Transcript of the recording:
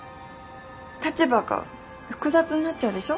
立場が複雑になっちゃうでしょ？